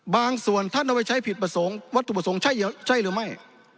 บางส่วนท่านเอาไว้ใช้ผิดประสงค์วัตถุประสงค์ใช่หรือไม่